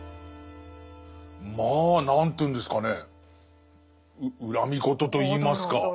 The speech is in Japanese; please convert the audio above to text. まあ何というんですかね恨み言といいますか。